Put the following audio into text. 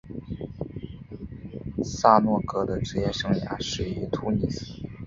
萨诺戈的职业生涯始于突尼斯。